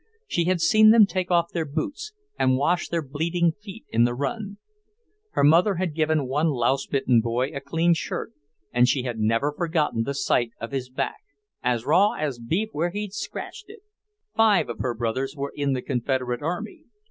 She had seen them take off their boots and wash their bleeding feet in the run. Her mother had given one louse bitten boy a clean shirt, and she had never forgotten the sight of his back, "as raw as beef where he'd scratched it." Five of her brothers were in the Confederate army.